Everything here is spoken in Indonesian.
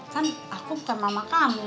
kan aku bukan mama kamu